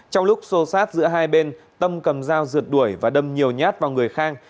trong lúc xô sát giữa hai bên tâm cầm dao rượt đuổi và đâm nhiều nhát vào người khang